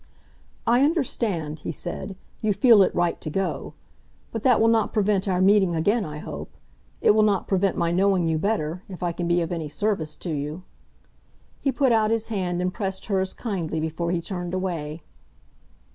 "I understand," he said; "you feel it right to go. But that will not prevent our meeting again, I hope; it will not prevent my knowing you better, if I can be of any service to you." He put out his hand and pressed hers kindly before he turned away.